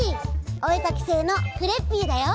おえかきせいのクレッピーだよ！